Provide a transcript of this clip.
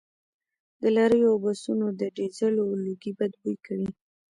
د لاریو او بسونو د ډیزلو لوګي بد بوی کوي